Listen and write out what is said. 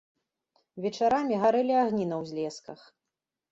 Вечарамі гарэлі агні на ўзлесках.